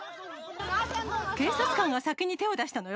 警察官が先に手を出したのよ。